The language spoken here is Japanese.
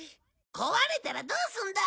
壊れたらどうすんだ！